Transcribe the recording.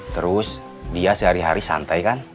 terus dia sehari hari santai kan